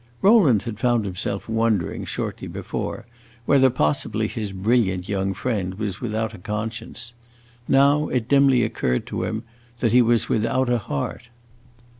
Rowland had found himself wondering, shortly before, whether possibly his brilliant young friend was without a conscience; now it dimly occurred to him that he was without a heart.